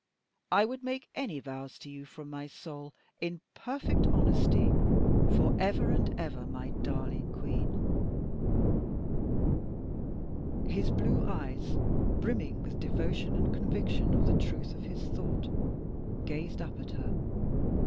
I would make any vows to you from my soul, in perfect honesty, for ever and ever, my darling Queen." His blue eyes, brimming with devotion and conviction of the truth of his thought, gazed up at her.